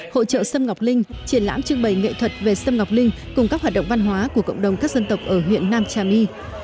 hội trợ xâm ngọc linh triển lãm trưng bày nghệ thuật về sâm ngọc linh cùng các hoạt động văn hóa của cộng đồng các dân tộc ở huyện nam trà my